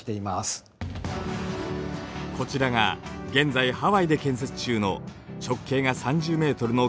こちらが現在ハワイで建設中の直径が３０ｍの巨大望遠鏡ＴＭＴ。